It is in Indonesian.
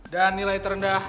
dan nilai terendah tujuh puluh